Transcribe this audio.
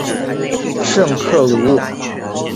圣克鲁瓦。